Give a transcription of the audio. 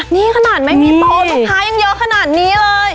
นี่ขนาดไม่มีโปรลูกค้ายังเยอะขนาดนี้เลย